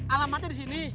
alamatnya di sini